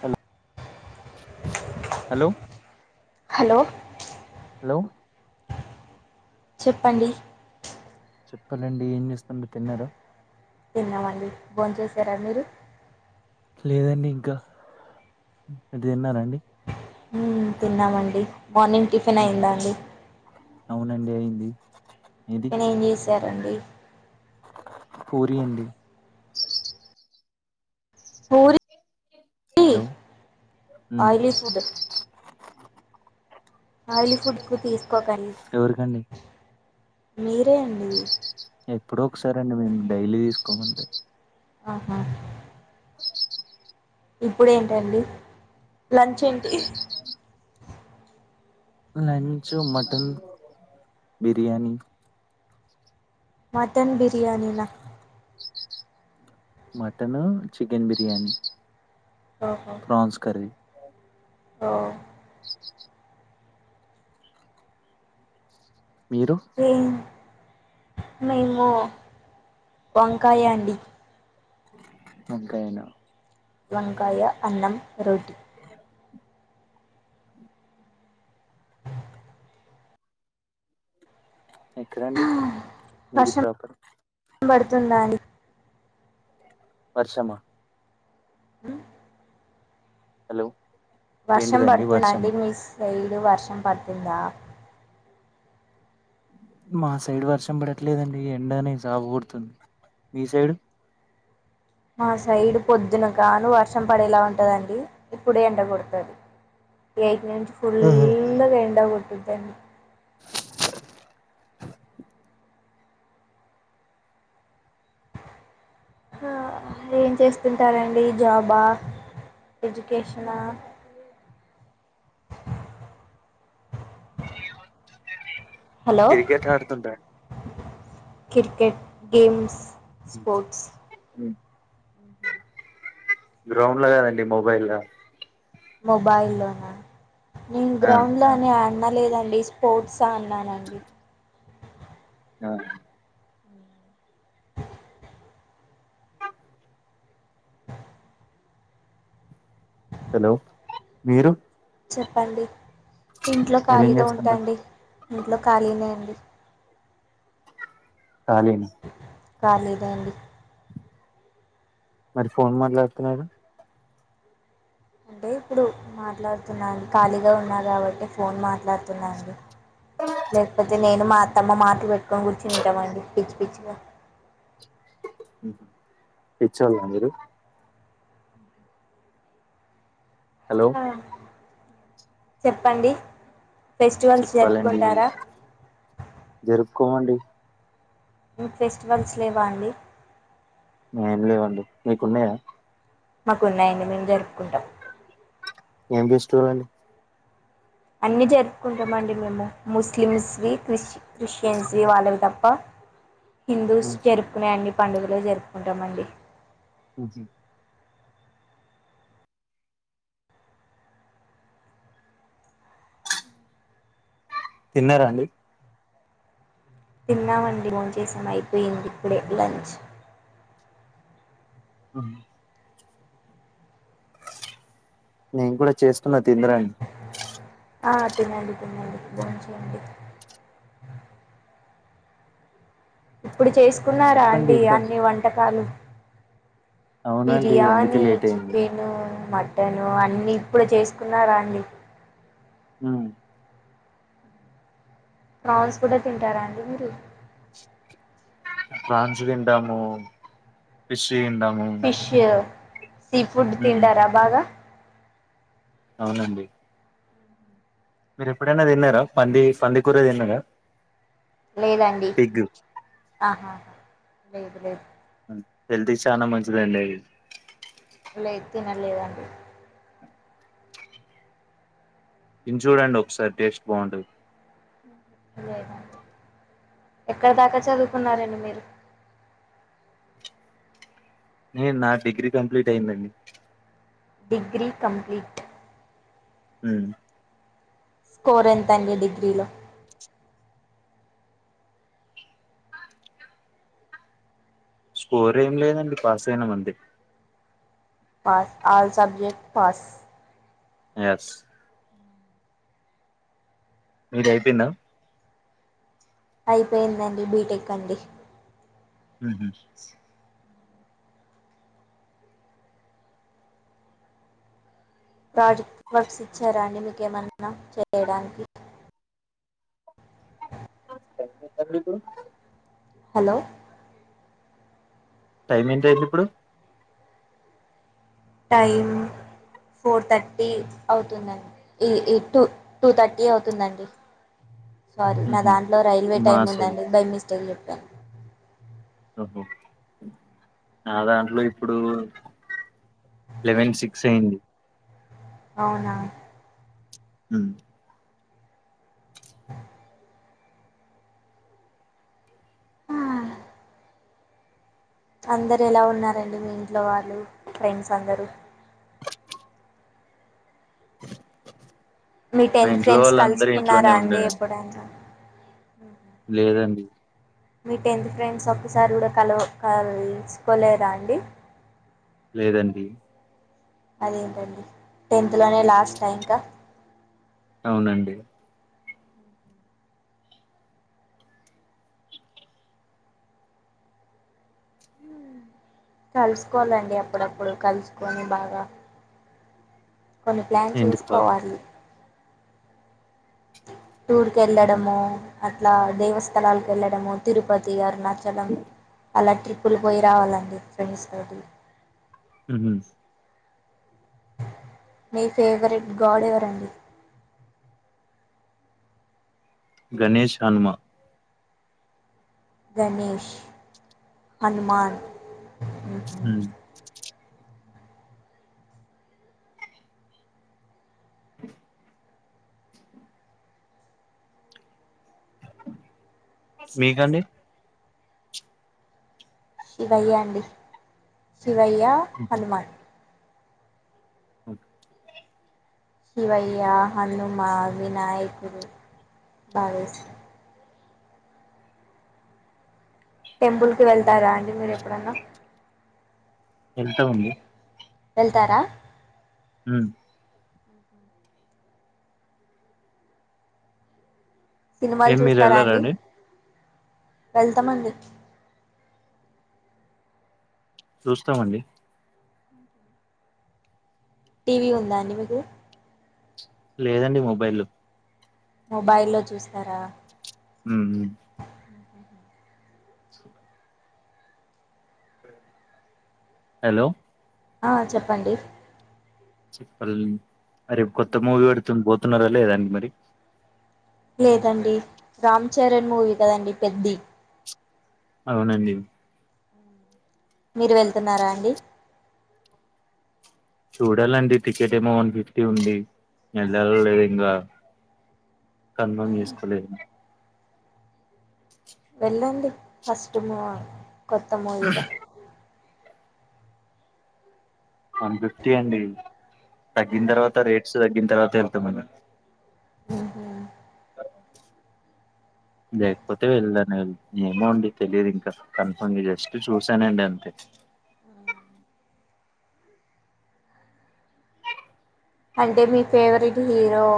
హల్ hello hello hello చెప్పండి చెప్పలండి ఏం జేస్తుండు తిన్నార తిన్నామండి బోన్ చేసారా మీరు లేదండి ఇంకా మీర్ దిన్నారా అండి ఉ తిన్నామండి మార్నింగ్ టిఫిన్ అయిందా అండి అవునండి అయింది ఏది నెనేంజేశారండి పూరి అండి పూరీ హలో ఉమ్ ఆయిలీస్ ఫుడ్ ఆయిలీ ఫుడ్ ఎక్కువ తీస్కోకండి ఎవరికండి మీరే అండి ఎప్పుడో ఒకసారండి మేమ్ డైలీ దీస్కోమండి ఆహా ఇప్పుడేంటండి లంచేంటి lunch mutton biryani mutton biryani నా మటను చికెన్ బిర్యానీ ఓహో ప్రాన్స్ కర్రీ ఓ మీరు ఏమ్ మేము వంకాయ అండి వంకాఏనా వంకాయ అన్నం రోటీ ఎక్కడండి మీది ప్రాపరు బడుతుందండి వర్షమా మ్మ్ హలో వర్షం ఏంటిదండి పడుతద అండి వర్షమా మీ సైడ్ వర్షం పడుతుందా మా సైడ్ వర్షం పడట్లేదండి ఎండనే సావ కొడుతుంది మీ సైడు మా సైడు పొద్దున కాను వర్షం పడేలా ఉంటదండి ఇప్పుడే ఎండకొడుతది రేట్నించి ఫుల్లు గా ఎండా కొట్టుదండి హా ఏం చేస్తుంటారండి జాబా ఎజుకేషన హలో క్రికెట్ ఆడుతుంటాండి క్రికెట్ గేమ్స్ స్పోర్ట్స్ గ్రౌండ్ల కదండి మొబైలు మొబైల్ లోనే నేను ఆ గ్రౌండ్ లనే అన్ అనలేదండి స్పోర్ట్స్ ఆ అన్నానండి ఆ హలో మీరు చెప్పండి ఇంట్లో మీరేం ఖాళీగా ఉంట చేస్తుంటారు అండి ఇంట్లో ఖాళీనే అండి ఖాళీనే కాలేదా అండి మరి ఫోన్ మట్లాడుతున్నారు అంటే ఇప్పుడు మాట్లాడుతున్నా ఖాళీగా ఉన్నా కాబట్టే ఫోన్ మాట్లాడుతున్నా అండి లేక్ పోతే నేన్ మా అతమ్మ మాటలు పెట్టుకొని కూర్చునింటమండి పిచ్చి పిచ్చిగా ఉ పిచ్చోలా మీరు హలో హా చెప్పండి ఫెస్టివల్స్ చెప్పాలండి జరుపుకుంటారా జరుపుకోమండి ఉ ఫెస్టివల్స్ లేవా అండి ఏం లేవండి మీకున్నయా మాకున్నాయడి మేం జరుపుకుంటాం ఏం బెస్ట్ ఊ అండి అన్ని జరుపుకుంటామండి మేము ముస్లిమ్స్వి క్రిస్ క్రిస్టియన్స్వి వాళ్ళవి తప్ప హిందూస్ జరుపుకునే అన్ని పండుగలు జరుపుకుంటామండి. ఉహు తిన్నరా అండి తిన్నామండి బోన్ చేసాం అయిపోయింది ఇప్పుడే లంచ్ ఉహు నేను కూడా చేస్తున్న తిందురండ్రి ఆ తినండి తినండి బోన్ చేయండి ఇప్పుడు చేసుకున్నారా చెప్పండి అండి ఇంకా అన్ని వంటకాలు అవునండి అందుకే బిర్యానీ లేట్ అయింది చికెను మట్ టను అన్ని ఇప్పుడే చేసుకున్నారా అండి ఊ ప్రాన్స్ కూడా తింటారా అండి మీరు ఫ్రాన్సు తింటాము ఫిష్ తింటాము ఫిష్ సీ ఫుడ్ తింటారా బాగా అవునండి మీరు ఎప్పుడైనా తిన్నారా పంది పంది కూర తిన్నారా లేదాండి పిగ్ ఆహా లేదు లేదు హెల్త్ కి చానా మంచిదండి అది లేద్ తినలేదండి తిని చూడండి ఒకసారి టేస్ట్ బాగుంటది లేదండి ఎక్కడ దాకా చదువుకున్నారండి మీరు నే నా డిగ్రీ కంప్లీట్ అయిందండి డిగ్రీ కంప్లీట్ ఉమ్మ్ స్కోర్ ఎంతండి డిగ్రీలో స్కోర్ ఏం లేదండి పాస్ అయినం అంతే pass all subject pass yes మీది అయిపోయిందా అయిపోయిందండి బీటెక్ అండి మ్మ్ఉహ్మ్ ప్రాజెక్ట్ వర్క్స్ ఇచ్చారాండి మీకేమన్నా చేయడానికి [unintelligible] హలో టైం ఏంటే అయింది ఇప్పుడు టైమ్ ఫోర్ థర్టీ అవుతుందండి ఈ టూ టూ థర్టీ అవుతుందండి సారీ నా ఉహు దాంట్లో రైల్వే మా టైమ్ సైడ్ ఉందండి బై మిస్టేక్ చెపి ఓహో నా దాంట్లో ఇప్పుడు లెవెన్ సిక్స్ అయింది అవునా ఉమ్మ్ ఆ అందరు ఎలా ఉన్నారండి మీ ఇంట్లో వాళ్ళు ఫ్రెండ్స్ అందరూ మీ మా టెన్త్ ఇంట్లో ఫ్రెండ్స్ వాళ్ళందరూ ఇంట్లోనే కలుసుకున్నారాండి ఉండరండి ఎప్పుడన్నా లేదండి మీ టెన్త్ ఫ్రెండ్స్ ఒక్కసారి కూడా కల కలుసుకోలేరాండి లేదండి అదేంటండి టెన్త్లోనే లాస్టా ఇంకా అవునండి కలుసుకోవాలండి అప్పుడప్పుడు కలుసుకొని బాగా కొన్ని ప్లాన్ ఎందుకు పా చేసుకోవాలి ఉహు టూర్కేళ్ళడమో అట్లా దేవస్థలాలకు వెళ్ళడమో తిరుపతి అరుణా చలం అలా ట్రిప్పులు పోయి రావాలండి ఫ్రెండ్స్ తోటి ఉమ్ హు మీ ఫేవరెట్ గాడ్ ఎవరండి. గణేష్, హనుమ. గణష్, హన్మాన్ హుమ్మ్ మీకండి. శివయ్య అండి శివయ్య, హనుమాన్. ఓ శివయ్య, హనుమ, వినాయకులు బాగా ఇష్ట్ టెంపుల్ కి వెళ్తారా అండి, మీరు ఎప్పుడన్నా. ఎళ్తామండి. ఎళ్తారా ఉమ్ సినిమాలు ఏం మీరు చూస్తారా అండి, వెళ్ళారండి వెళ్తామండి. చూస్తామండి. టీవీ ఉందా అండి మీకు. లేదండి, మొబైలు మొబైల్లో చూస్తారా. ఉమ్ హు ఛీ హలో ఆ చెప్పండి. చిప్పల్, రేప్ కొత్త మూవీ పడుతున్ పోతున్నారా, లేదా అండి మరి. లేదండి, రామ్ చరణ్ మూవీ కదండి పెద్ది. అవునండి మీరు వెళ్తున్నారా అండి. చూడాలండి టికెట్ ఏమో వన్ ఫిఫ్టీ ఉంది, వెళ్ళల లేద్ ఇంగ్ల. కన్ఫమ్ ఉహు చేసుకోలేదు వెళ్ళండి ఫస్ట్ మూ ఆ కొత్త మూవీగా. వన్ ఫిఫ్టీ అండి, తగ్గిన తర్వాత రేట్స్ తగ్గిన తర్వాత ఎళ్తాం మండి. ఉహుమ్ [inaudible] లేకపోతే వెళదాన్ [unintelligible] ఏమోండి తెలియదు ఇంకా కన్ఫమ్, జస్ట్ చూసానండి అంతే. ఉమ్మ్ అంటే మీ ఫేవరెట్ హీరో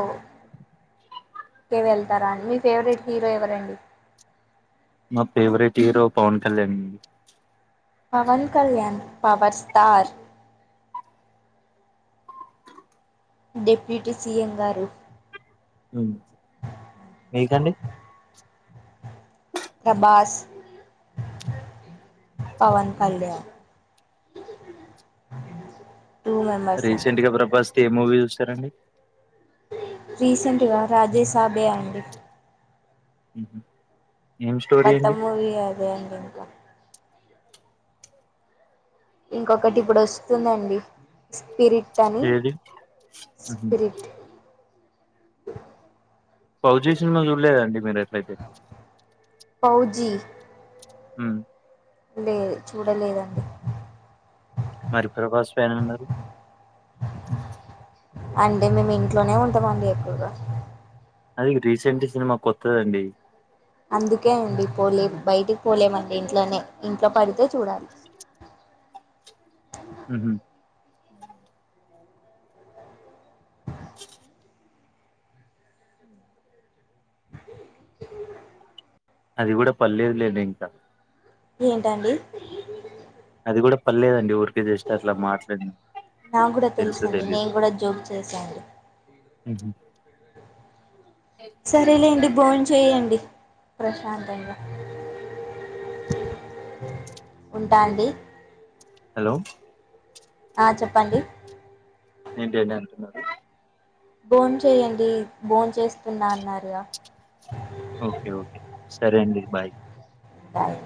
కేే వెళ్తారా అండి, మీ ఫేవరెట్ హీరో ఎవరండి. మా పేవరెట్ హీరో పవన్ కళ్యాణ్ అండి. Pawan Kalyan power star. Deputy C M గారు. ఉమ్ మీకండి. ప్రభాస్ పవన్ కళ్యాణ్. టూ మెంబర్స్ అండి. రీసెంట్ గా ప్రభాస్ ఏ మూవీ జుస్తారండి. రీసెంట్ గా రాజె సాభే అండి ఊహు కొత్త మూవీ అదే అండి ఇంకా ఇంకొకటి ఇప్పుడు వస్తుందండి స్పిరిట్ టనీ ఏది మ్మ్. స్పిరిట్ ఫౌజి సినిమా చూడలేదండి మీరు అట్లైతే పౌజి ఉమ్ లేదు చూడలేదండి మరి ప్రభాస్ ఫ్యాన్ అన్నారు అంటే మేము ఇంట్లోనే ఉంటామండి ఎక్కువగా అది రీసెంట్ సినిమా కొత్తదండి అందుకే అండి పోలే బయటికి పోలేమండి ఇంట్లోనే ఇంట్లో పడితే చూడాలి [inaudible] ఊహు [inaudible] [inaudible] అది కూడా పర్లేదులే అండి ఇంకా ఏంటండి ఇది కూడా పల్లేేదు అండి ఊరు జస్ట్ అట్లా మాట్లాడిన నాకు కూడా తెల్సో తెలుసండి తెలీద్ నేను కూడా జోక్ చేశాండి ఊహు సరేలే అండి బోన్ చేయండి ప్రశాంతంగా ఉంటా అండి హలో ఆ చెప్పండి ఏంటండీ అంటున్నారు? బోన్ చెయ్యండి బోన్ చేస్తున్నా అన్నార్ అయ ఓకే ఓకే సరే అండి బాయ్ సరే